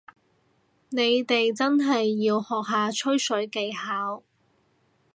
你哋真係要學下吹水技巧